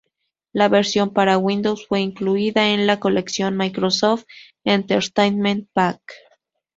La versión para Windows fue incluida en la colección Microsoft Entertainment Pack.